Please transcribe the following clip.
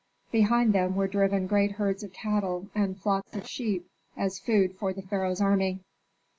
Behind them were driven great herds of cattle, and flocks of sheep as food for the pharaoh's army.